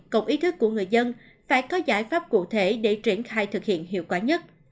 cộng ý thức của người dân phải có giải pháp cụ thể để triển khai thực hiện hiệu quả nhất